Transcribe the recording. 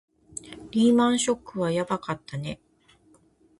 リーマンショックはやばかったね